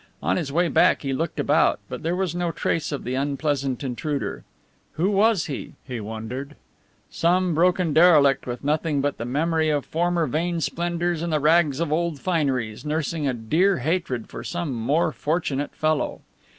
On his way back he looked about, but there was no trace of the unpleasant intruder. Who was he? he wondered. Some broken derelict with nothing but the memory of former vain splendours and the rags of old fineries, nursing a dear hatred for some more fortunate fellow.